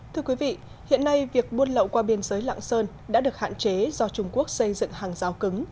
thưa quý vị hiện nay việc buôn lậu qua biên giới lạng sơn đã được hạn chế do trung quốc xây dựng hàng rào cứng